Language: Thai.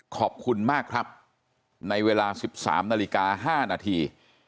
ขอบคุณมากครับในเวลา๑๓นาฬิกา๕นาที